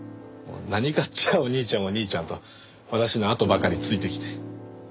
何かあっちゃお兄ちゃんお兄ちゃんと私のあとばかりついてきて。